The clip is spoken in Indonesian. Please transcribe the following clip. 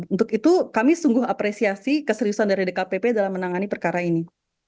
untuk itu kami sungguh apresiasi keseriusan dari dkpp dalam menangani perkara ini